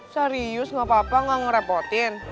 serius gapapa gak ngerepotin